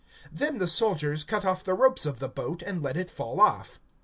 (32)Then the soldiers cut off the ropes of the boat, and let it fall off.